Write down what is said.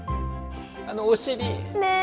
あのお尻！ねえ！